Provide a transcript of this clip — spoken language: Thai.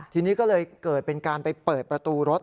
ทีนี้ก็เลยเกิดเป็นการไปเปิดประตูรถ